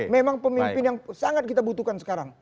memang pemimpin yang sangat kita butuhkan sekarang